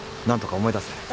何とか思い出せ。